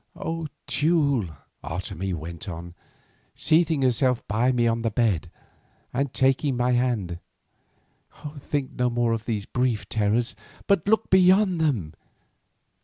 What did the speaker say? "O Teule," Otomie went on, seating herself by me on the bed, and taking my hand, "think no more of these brief terrors, but look beyond them.